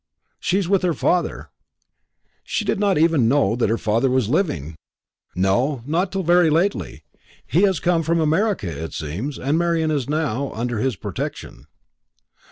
"She is with her father." "She did not even know that her father was living." "No, not till very lately. He has come home from America, it seems, and Marian is now under his protection."